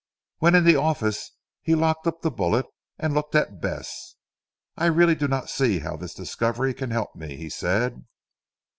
When in the office he locked up the bullet and looked at Bess. "I really do not see how this discovery can help me," he said.